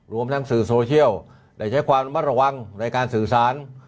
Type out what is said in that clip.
รวมทั้งสื่อโซเชียลได้ใช้ความมัดระวังในการสื่อสาร